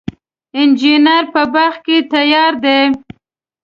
انجیر په باغ کې تیار دی.